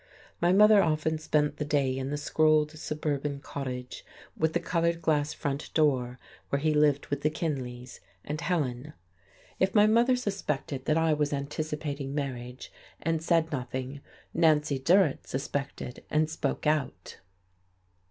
My mother often spent the day in the scrolled suburban cottage with the coloured glass front door where he lived with the Kinleys and Helen.... If my mother suspected that I was anticipating marriage, and said nothing, Nancy Durrett suspected and spoke out.